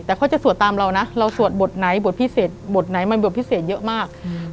แต่เขาจะสวดตามเรานะเราสวดบทไหนบทพิเศษบทไหนมันบทพิเศษเยอะมากอืม